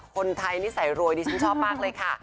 คนไทยนิสัยรวยดิฉันชอบมากเลยค่ะ